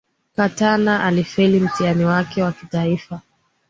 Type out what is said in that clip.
Katana alifeli mtihani wake wa kitaifa